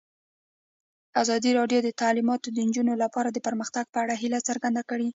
ازادي راډیو د تعلیمات د نجونو لپاره د پرمختګ په اړه هیله څرګنده کړې.